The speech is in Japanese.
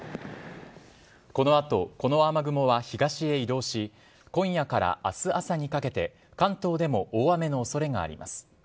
このあと、この雨雲は東へ移動し、今夜からあす朝にかけて、関東でも大雨のおそれがあります。